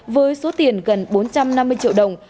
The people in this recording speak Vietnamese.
với số tiền gần bốn trăm năm mươi triệu đồng